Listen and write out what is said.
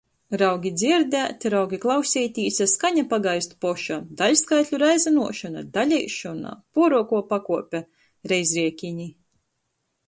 Raugi dzierdēt, raugi klauseitīs, a skaņa pagaist poša. Daļskaitļu reizynuošona. Daleišona? Puoruokuo pakuope. Reizriekini.